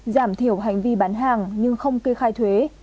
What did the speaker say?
giảm thiểu hành vi bán hàng nhưng không kê khai thuế